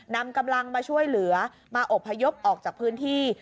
นำกำลังมาช่วยเหลือมาอบพยพออกจากพื้นที่